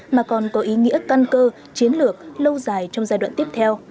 mà còn có ý nghĩa căn cơ chiến lược lâu dài trong giai đoạn tiếp theo